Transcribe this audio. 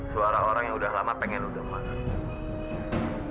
suara orang yang udah lama pengen lu dengerin